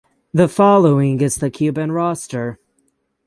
The following is the Cuban roster.